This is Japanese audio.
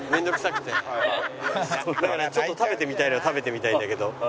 だからちょっと食べてみたいのは食べてみたいんだけど。